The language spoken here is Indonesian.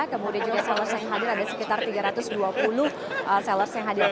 kemudian juga selles yang hadir ada sekitar tiga ratus dua puluh seller yang hadir